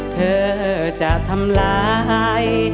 เธอจะทำร้าย